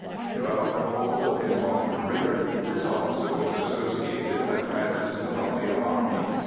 Throughout the whole of his long career this officer was associated with France's colonial army.